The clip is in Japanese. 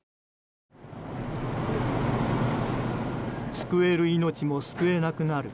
救える命を救えなくなる。